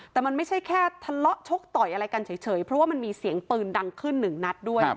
แต่มันไม่ใช่แค่ทะเลาะชกต่อยอะไรกันเฉยเพราะว่ามันมีเสียงปืนดังขึ้นหนึ่งนัดด้วย